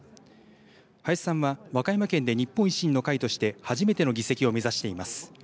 林さんは和歌山県で日本維新の会として初めての議席を目指しています。